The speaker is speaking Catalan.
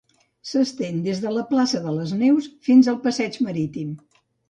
S'estén des de la plaça de les Neus fins al passeig Marítim.